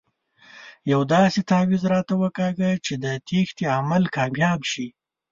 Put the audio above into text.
یو داسې تاویز راته وکاږه چې د تېښتې عمل کامیاب شي.